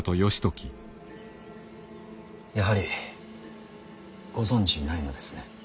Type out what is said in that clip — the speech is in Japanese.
やはりご存じないのですね。